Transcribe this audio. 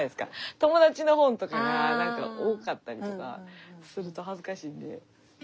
友達の本とかが多かったりとかすると恥ずかしいんで。